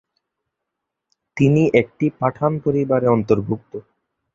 তিনি একটি পাঠান পরিবারে অন্তর্ভুক্ত।